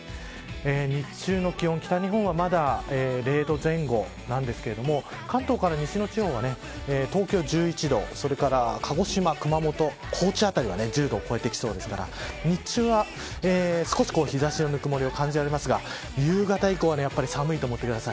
日中の気温北日本はまだ０度前後なんですけれども関東から西の地方は東京１１度鹿児島、熊本、高知辺りは１０度を超えてきそうですから日中は少し日差しのぬくもりを感じられますが夕方以降はやっぱり寒いと思ってください。